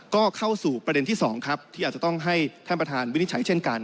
ก็เข้าสู่ประเด็นที่๒ครับที่อาจจะต้องให้ท่านประธานวินิจฉัยเช่นกัน